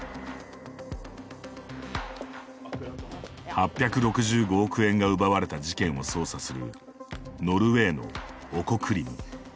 ８６５億円が奪われた事件を捜査するノルウェーのオコクリム。